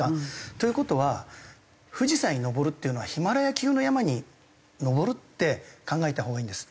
という事は富士山に登るっていうのはヒマラヤ級の山に登るって考えたほうがいいんです。